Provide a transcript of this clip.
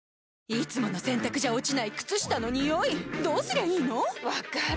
いつもの洗たくじゃ落ちない靴下のニオイどうすりゃいいの⁉分かる。